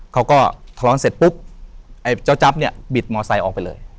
เขาก็ทะเลาะเสร็จปุ๊บไอ้เจ้าจั๊บเนี่ยบิดมอไซค์ออกไปเลย